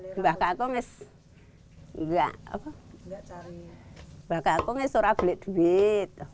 bapak aku tidak cari bapak aku tidak suruh beli duit